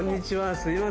すいません。